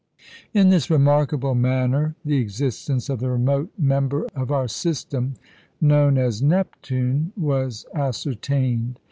In this remarkable manner the existence of the remote member of our system known as "Neptune" was ascertained.